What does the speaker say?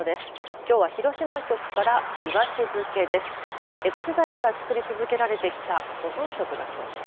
きょうは広島局からいわし漬けです。